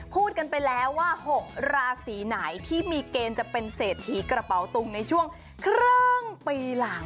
พูดกันไปแล้วว่า๖ราศีไหนที่มีเกณฑ์จะเป็นเศรษฐีกระเป๋าตุงในช่วงครึ่งปีหลัง